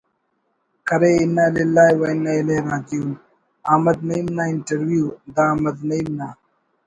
کرے انا للہ و انا الیہ راجعون احمد نعیم نا انٹرویو (دا احمد نعیم نا